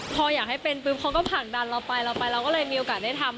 พออยากให้เป็นปุ๊บเขาก็ผ่านดันเราไปเราไปเราก็เลยมีโอกาสได้ทำ